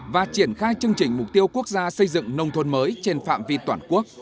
và triển khai chương trình mục tiêu quốc gia xây dựng nông thôn mới trên phạm vi toàn quốc